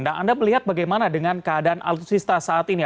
nah anda melihat bagaimana dengan keadaan alutsista saat ini